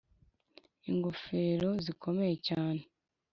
ingofero zikomeye cyane